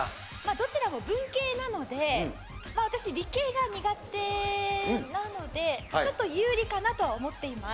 どちらも文系なので私理系が苦手なのでちょっと有利かなとは思っています。